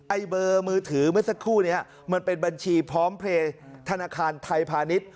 ไอเบอร์มือถือเมื่อสักครู่นี้มันเป็นบัญชีพร้อมเพลย์ธนาคารไทยพาณิชย์